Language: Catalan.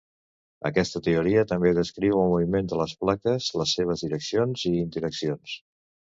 Aquesta teoria també descriu el moviment de les plaques, les seves direccions i interaccions.